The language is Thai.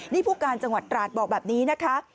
นี่ผู้การจังหวัดตราดบอกแบบนี้นะคะ